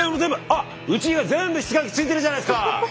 あうち以外全部室外機ついてるじゃないですか！